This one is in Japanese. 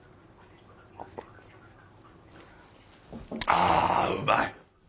あうまい！